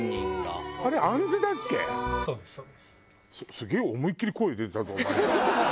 すげえ思いっきり声出てたぞお前。